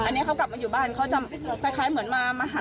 อันนี้เขากลับมาอยู่บ้านเขาจะคล้ายเหมือนมาหา